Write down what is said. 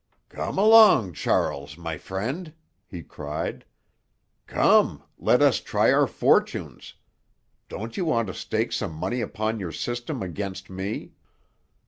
"Come along, Charles, my friend," he cried. "Come, let us try our fortunes! Don't you want to stake some money upon your system against me?"